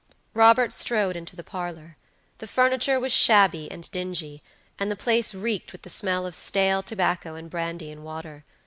Robert strode into the parlor. The furniture was shabby and dingy, and the place reeked with the smell of stale tobacco and brandy and water.